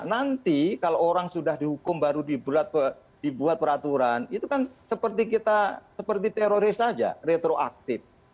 nanti kalau orang sudah dihukum baru dibuat peraturan itu kan seperti kita seperti teroris saja retroaktif